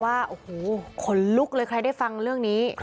ว่าโอ้โหขนลุกเลยใครได้ฟังเรื่องนี้